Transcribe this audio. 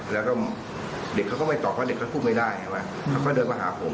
แล้วก็เด็กเขาก็ไม่ตอบว่าเด็กเขาพูดไม่ได้ไงวะเขาก็เดินมาหาผม